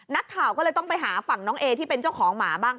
นักข่าวก็เลยต้องไปหาฝั่งน้องเอที่เป็นเจ้าของหมาบ้าง